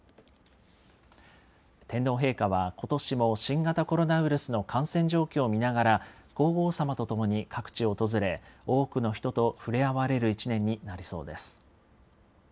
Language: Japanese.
天皇陛下はことしも新型コロナウイルスの感染状況を見ながら、皇后さまと共に各地を訪れ、多くの人とふれあわれる１年になりそうです。